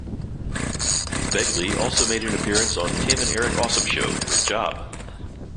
Begley also made an appearance on Tim and Eric Awesome Show, Great Job!